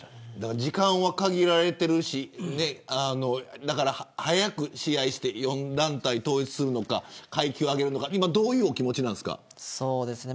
時間は限られているし早く試合をして４団体統一するのか階級上げるのかいま、どういう気持ちですか。